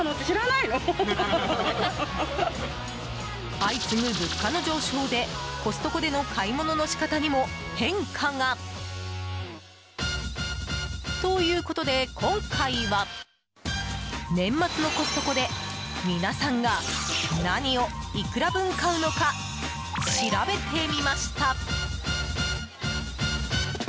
相次ぐ物価の上昇でコストコでの買い物の仕方にも変化が？ということで今回は年末のコストコで皆さんが何を、いくら分買うのか調べてみました。